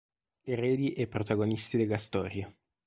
Eredi e protagonisti della Storia".